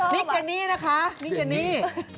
นี่เจนี่นะคะนี่เจนี่